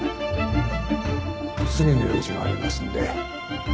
次の用事がありますんで。